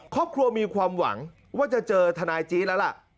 ครอบครัวมีความหวังว่าจะเจอทนายจี๊ดแล้วล่ะ